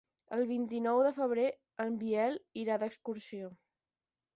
El vint-i-nou de febrer en Biel irà d'excursió.